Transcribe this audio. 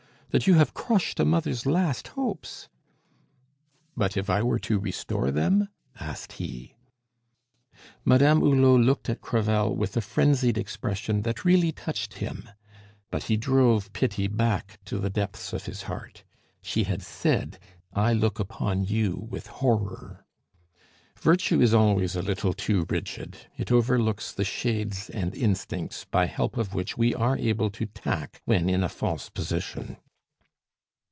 that you have crushed a mother's last hopes " "But if I were to restore them," asked he. Madame Hulot looked at Crevel with a frenzied expression that really touched him. But he drove pity back to the depths of his heart; she had said, "I look upon you with horror." Virtue is always a little too rigid; it overlooks the shades and instincts by help of which we are able to tack when in a false position.